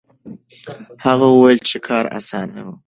هغه وویل چې کار اسانه و.